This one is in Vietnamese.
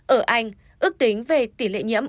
ở anh ước tính về tỷ lệ nhiễm